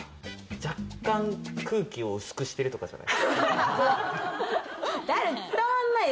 若干、空気を薄くしてるとかじゃない？